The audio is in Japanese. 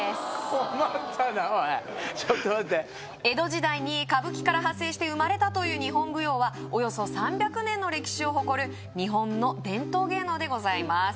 これちょっと待って江戸時代に歌舞伎から派生して生まれたという日本舞踊はおよそ３００年の歴史を誇る日本の伝統芸能でございます